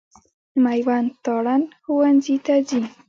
مېوند تارڼ ښوونځي ته ځي.